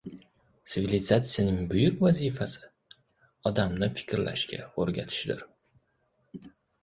Sivilizatsiyaning buyuk vazi-fasi — odamni fikrlashga o‘rgatishdir.